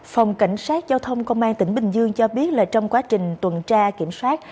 phòng cảnh sát giao thông công an tỉnh bình dương cho biết là trong quá trình tuần tra kiểm soát